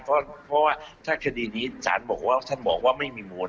เพราะว่าถ้าคดีนี้ท่านบอกว่าไม่มีมูล